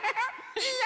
いいよ！